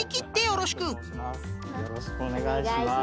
よろしくお願いします。